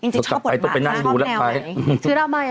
สกับไปตกไปนั่งดูละไว้